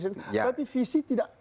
tapi visi tidak